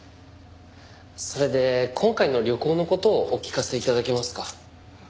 それで今回の旅行の事をお聞かせ頂けますか？